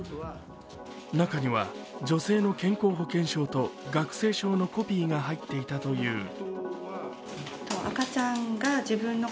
中には女性の健康保険証と学生証のコピーが入っていたという。